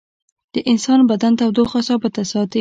د انسان بدن تودوخه ثابته ساتي